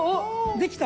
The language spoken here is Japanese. できた？